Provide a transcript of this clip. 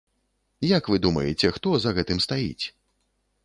Як вы думаеце, хто за гэтым стаіць?